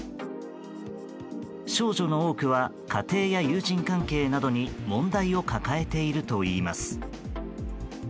少女の多くは家庭や友人関係などに問題を抱えているといいます。